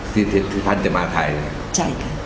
ซิสเตอร์ที่พันธุ์จะมาไทยนะครับ